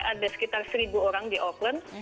ada sekitar seribu orang di auckland